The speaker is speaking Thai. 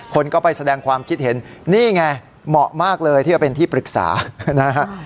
คนก็ไปแสดงความคิดเห็นนี่ไงเหมาะมากเลยที่จะเป็นที่ปรึกษานะฮะ